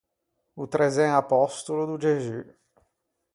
O trezzen apòstolo do Gexù.